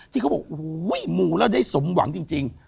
ที่เขาบอกโอ้โหมูแล้วได้สมหวังจริง